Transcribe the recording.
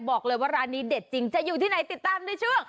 บอกเลยว่าร้านนี้เด็ดจริงจะอยู่ที่ไหนติดตามในช่วง